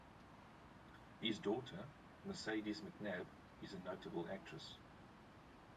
His daughter, Mercedes McNab is a notable actress.